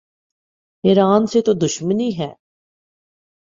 ایران سے تو دشمنی ہے۔